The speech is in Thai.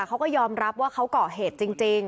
เขาก็ยอมรับว่าเขาก่อเหตุจริง